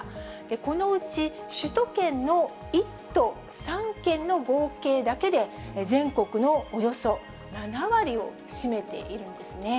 このうち首都圏の１都３県の合計だけで、全国のおよそ７割を占めているんですね。